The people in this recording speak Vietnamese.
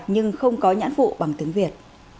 nhưng không có nhãn vụ bằng tiếng việt